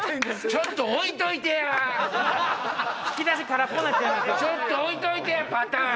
ちょっと置いといてやパターン。